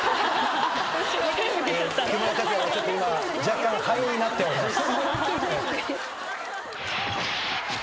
木村拓哉はちょっと今若干灰になっております。